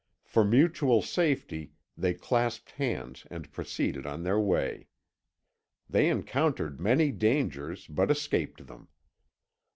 For mutual safety they clasped hands and proceeded on their way. They encountered many dangers, but escaped them.